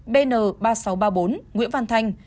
bn ba nghìn sáu trăm ba mươi bốn nguyễn văn thanh